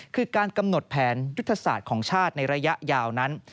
คือการกำหนดแผนยุทธศาสตร์ของชาติในระยะยาวนั้น